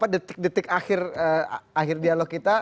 detik detik akhir dialog kita